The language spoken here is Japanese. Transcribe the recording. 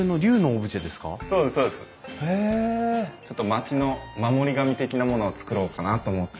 町の守り神的なものをつくろうかなと思って。